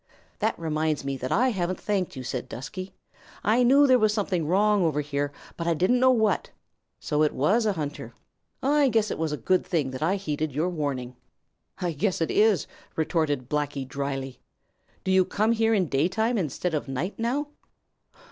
"That reminds me that I haven't thanked you," said Dusky. "I knew there was something wrong over here, but I didn't know what. So it was a hunter. I guess it is a good thing that I heeded your warn ing." "I guess it is," retorted Blacky dryly. "Do you come here in daytime instead of night now?"